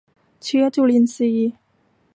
เชื้อจุลินทรีย์